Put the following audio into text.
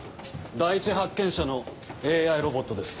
第一発見者のＡＩロボットです。